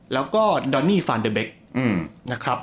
แล้วก็ดอนนี่ฟานเดอร์เบก